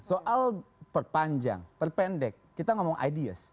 soal perpanjang perpendek kita ngomong ideas